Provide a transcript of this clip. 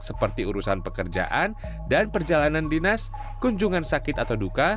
seperti urusan pekerjaan dan perjalanan dinas kunjungan sakit atau duka